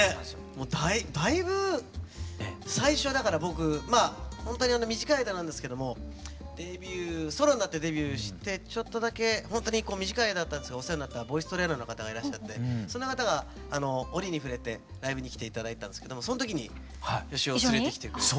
もうだいぶ最初はだから僕ほんとに短い間なんですけどもデビューソロになってデビューしてちょっとだけほんとに短い間だったんですけどお世話になったボイストレーナーの方がいらっしゃってその方が折に触れてライブに来て頂いたんですけどもその時に芳雄を連れてきてくれて。